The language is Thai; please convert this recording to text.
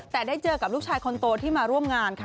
แต่ได้เจอกับลูกชายคนโตที่มาร่วมงานค่ะ